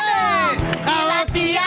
begadang boleh saja